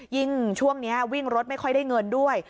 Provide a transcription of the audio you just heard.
ยิ่งช่วงนี้วิ่งรถไม่ค่อยได้เงินด้วย